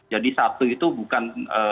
jadi satu itu bukan